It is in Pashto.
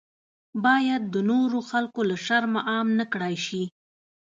باید د نورو خلکو له شرمه عام نکړای شي.